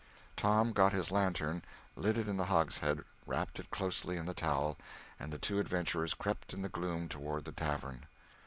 Tom got his lantern, lit it in the hogshead, wrapped it closely in the towel, and the two adventurers crept in the gloom toward the tavern.